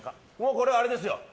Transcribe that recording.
これはあれですよ。